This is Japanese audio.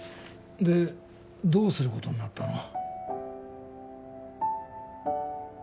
でどうすることになったの？